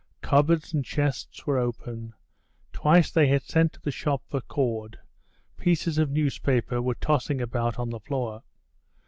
Cupboards and chests were open; twice they had sent to the shop for cord; pieces of newspaper were tossing about on the floor.